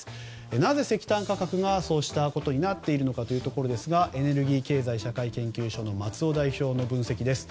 なぜ石炭価格がそうしたことになっているのかというとエネルギー経済社会研究所の松尾代表のお話です。